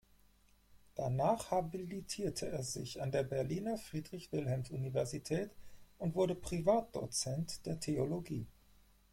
Danach habilitierte er sich an der Berliner Friedrich-Wilhelms-Universität und wurde Privatdozent der Theologie.